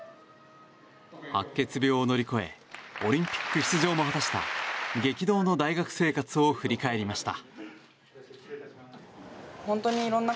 白血病を乗り越えオリンピック出場も果たした激動の大学生活を振り返りました。